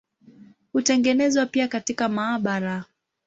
Hutengenezwa pia katika maabara.